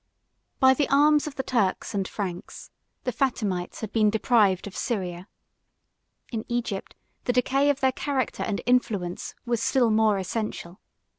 By the arms of the Turks and Franks, the Fatimites had been deprived of Syria. In Egypt the decay of their character and influence was still more essential.